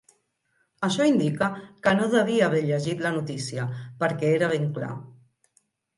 Això indica que no devia haver llegit la notícia, perquè era ben clar.